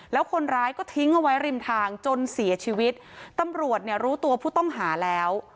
แล้วคนร้ายก็ทิ้งเอาไว้ริมทางจนเสียชีวิตตำรวจเนี่ยรู้ตัวผู้ต้องหาแล้ว